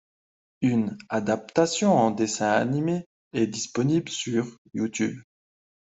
Une adaptation en dessin animé est disponible sur YouTube.